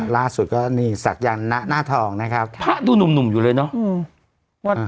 ล่าสุดก็สักยันหน้าทองนะครับภะดูหนุ่มอยู่เลยเนอะวัด